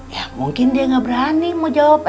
ya mungkin dia nggak berani mau jawab